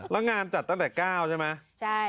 แล้วงานจัดตั้งแต่๙ใช่ไหม